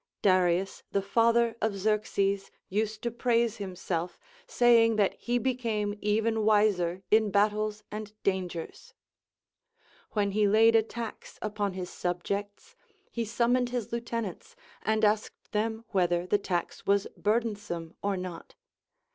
Darius the father of Xerxes used to praise himself, saying that he became even Aviser in battles and dangers. AVhen he laid a tax upon his subjects, he sum moned his lieutenants, and asked them whether the tax was burthensome or not?